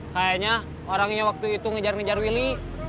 kayaknya orangnya waktu itu ngejar ngejar willy